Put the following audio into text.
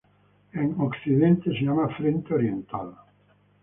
En Occidente se llama Frente Oriental.